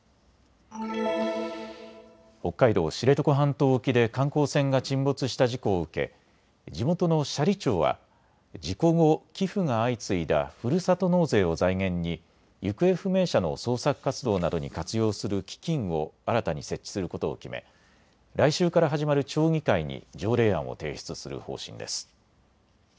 北海道・知床半島沖で観光船が沈没した事故を受け地元の斜里町は事故後、寄付が相次いだふるさと納税を財源に行方不明者の捜索活動などに活用する基金を新たに設置することを決め、来週から始まる町議会に条例案を提出する方針です。